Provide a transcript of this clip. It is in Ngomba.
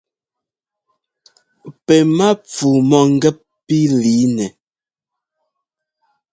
Pɛ́ mápfu mɔ̂gɛ́p pí lǐinɛ.